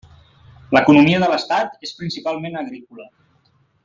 L'economia de l'estat és principalment agrícola.